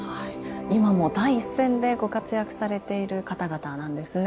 今も第一線でご活躍されている方々なんですね。